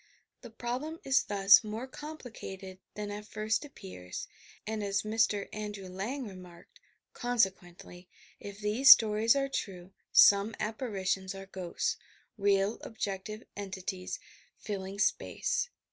The problem is thus more com plicated than at first appears, and, as Mr. Andrew Lang remarked, "Consequently, if these stories are true, some apparitions are ghosts, — real objective entities filling space.